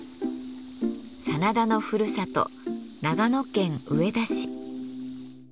真田のふるさと長野県上田市。